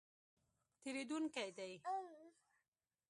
تېرېدونکی دی